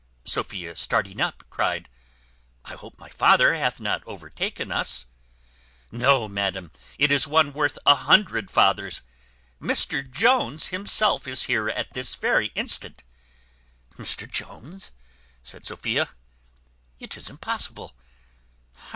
Sophia, starting up, cried, "I hope my father hath not overtaken us." "No, madam, it is one worth a hundred fathers; Mr Jones himself is here at this very instant." "Mr Jones!" says Sophia, "it is impossible!